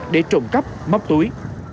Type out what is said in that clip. để trộm cắp móc túi